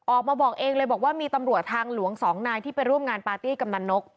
ออกมาบอกเองเลยบอกว่ามีตำรวจทางหลวงสองนายที่ไปร่วมงานปาร์ตี้กำนันนก